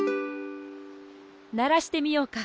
ならしてみようか。